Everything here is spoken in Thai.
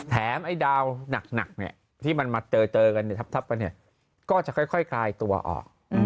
ไอ้ดาวหนักที่มันมาเจอกันทับกันก็จะค่อยคลายตัวออก